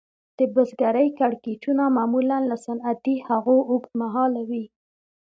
د بزګرۍ کړکېچونه معمولاً له صنعتي هغو اوږد مهاله وي